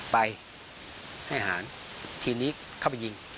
ไปให้หารทีนี้เข้าไปยิง